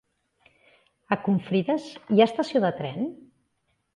A Confrides hi ha estació de tren?